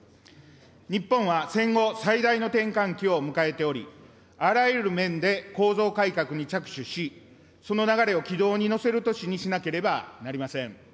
日本は戦後最大の転換期を迎えており、あらゆる面で構造改革に着手し、その流れを軌道に乗せる年にしなければなりません。